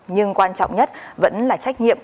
nhưng quan trọng nhất vẫn là trách nhiệm